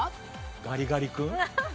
ガリガリ君。